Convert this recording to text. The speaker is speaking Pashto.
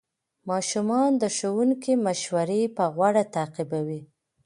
ماشومان د ښوونکي مشورې په غور تعقیبوي